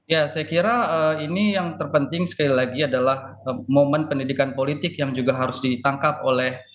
ya saya kira ini yang terpenting sekali lagi adalah momen pendidikan politik yang juga harus ditangkap oleh